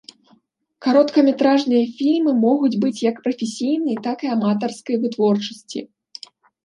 Кароткаметражныя фільмы могуць быць як прафесійнай, так і аматарскай вытворчасці.